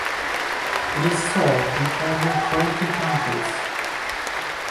It is sold in over forty countries.